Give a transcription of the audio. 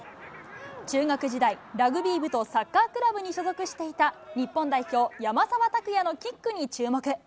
中学時代、ラグビー部とサッカークラブに所属していた日本代表、山沢拓也のキックに注目。